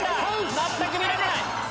全く見られない！